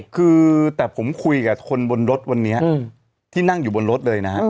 คือแต่ผมคุยกับคนบนรถวันนี้ที่นั่งอยู่บนรถเลยนะฮะ